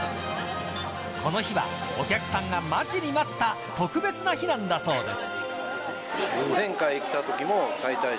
この日はお客さんが待ちに待った特別な日なんだそうです。